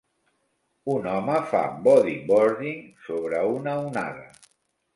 Un home fa bodyboarding sobre una onada.